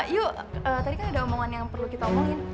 yuk tadi kan udah omongan yang perlu kita omongin